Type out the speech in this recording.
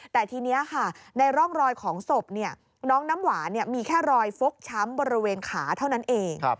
แต่ทีนี้ค่ะในร่องรอยของศพน้องน้ำหวานมีแค่รอยฟกช้ำบริเวณขาเท่านั้นเอง